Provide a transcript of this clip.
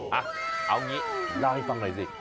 เอางี้เล่าให้ฟังหน่อยสิ